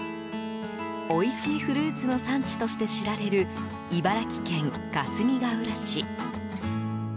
おいしいフルーツの産地として知られる茨城県かすみがうら市。